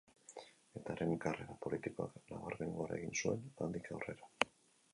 Eta haren karrera politikoak nabarmen gora egin zuen handik aurrera.